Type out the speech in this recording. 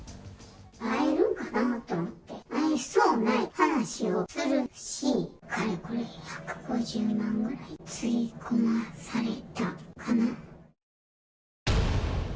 会えるかなと思って、会えそうな話をするし、かれこれ１５０万ぐらいつぎ込まされたかな。